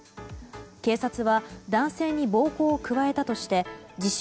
警察は男性に暴行を加えたとして自称